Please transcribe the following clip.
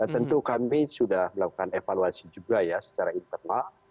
tentu kami sudah melakukan evaluasi juga secara internal